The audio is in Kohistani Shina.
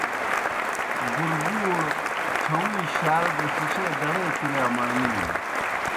بُربُوڑوْ ڇَھہُوئیں شال گہ ݜِݜے دڑے کِرِیا مڑنے نوْ۔